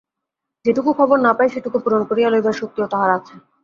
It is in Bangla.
যেটুকু খবর না পায় সেটুকু পূরণ করিয়া লইবার শক্তিও তাহাদের আছে।